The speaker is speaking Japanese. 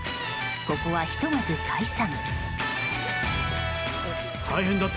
ここはひとまず退散。